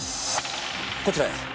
こちらへ。